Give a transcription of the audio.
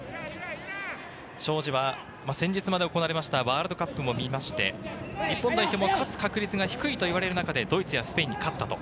庄司は先日まで行われたワールドカップも見まして、日本代表も勝つ確率が低いといわれる中、ドイツやスペインに勝った。